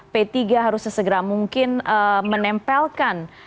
p tiga harus sesegera mungkin menempelkan